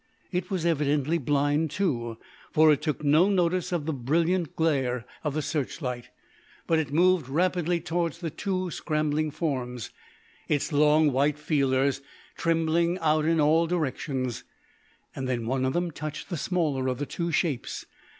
It was evidently blind, too, for it took no notice of the brilliant glare of the searchlight, but it moved rapidly towards the two scrambling forms, its long white feelers trembling out in all directions. Then one of them touched the smaller of the two shapes.